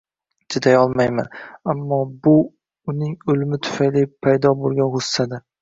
Chidayolmayman, ammo bu uning o'limi tufayli paydo bo'lgan g'ussadir.